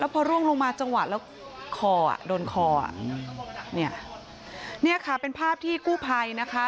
พอล่วงลงมาจังหวะแล้วโดนคอนี่ค่ะเป็นภาพที่กู้ภัยนะคะ